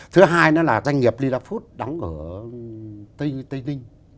thứ hai đó là doanh nghiệp lilafood đóng ở tây ninh